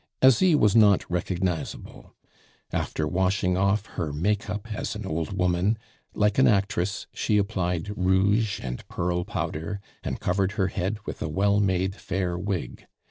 Asie was not recognizable. After washing off her "make up" as an old woman, like an actress, she applied rouge and pearl powder, and covered her head with a well made fair wig.